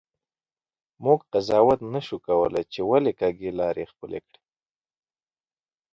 مونږ قضاوت نسو کولی چې ولي کږې لیارې خپلي کړي.